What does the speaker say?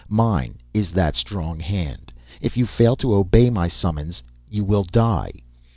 Mine is that strong hand. If you fail to obey my summons, you will die.